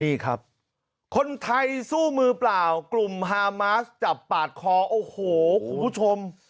นี่ครับคนไทยสู้มือเปล่ากลุ่มฮามาสจับปาดคอโอ้โหคุณผู้ชม